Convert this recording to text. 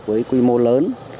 với quy mô lớn